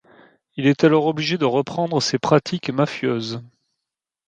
Il est alors obligé de reprendre ses pratiques mafieuses...